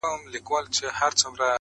هر زړه پټ درد ساتي تل،